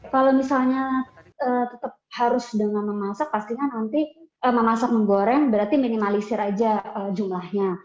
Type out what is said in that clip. kalau misalnya tetap harus dengan memasak pastinya nanti memasak menggoreng berarti minimalisir aja jumlahnya